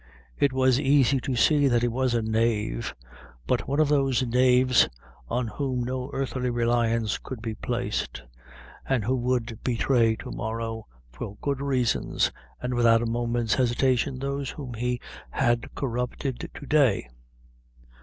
It was easy to see that he was a knave, but one of those knaves on whom no earthly reliance could be placed, and who would betray to morrow, for good reasons, and without a moment's hesitation, those whom he had corrupted to day.